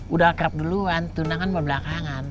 udah akrab duluan tunangan baru belakangan